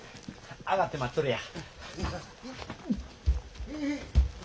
上がって待っとれや。